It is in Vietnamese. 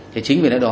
thì chính vì thế đó